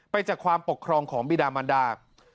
จากความปกครองของบีดามันดา